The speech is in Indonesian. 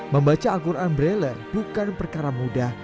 membaca al quran brailler bukan perkara mudah